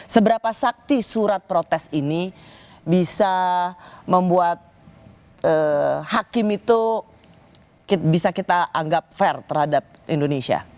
seberapa sakti surat protes ini bisa membuat hakim itu bisa kita anggap fair terhadap indonesia